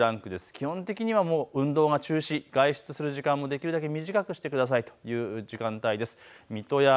基本的にはもう運動が中止、外出する時間もできるだけ短くしてくださいという時間帯です。